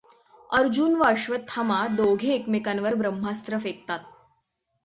अर्जुन व अश्वत्थामा दोघे एकमेकांवर ब्रह्मास्त्र फेकतात.